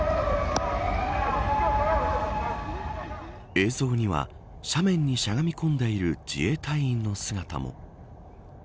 映像には斜面にしゃがみ込んでいる自衛隊員の姿も。